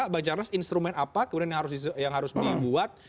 bang charles instrumen apa yang harus dibuat